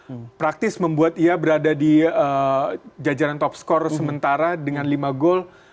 yang praktis membuat ia berada di jajaran top skor sementara dengan lima gol